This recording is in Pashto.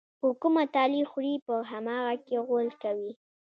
په کومه تالې خوري، په هماغه کې غول کوي.